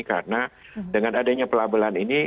karena dengan adanya pelabelan ini